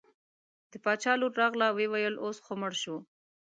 د باچا لور راغله وویل اوس خو مړ شو.